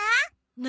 何？